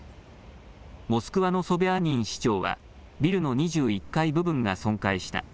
モスクワのソビャーニン市長は、ビルの２１階部分が損壊した。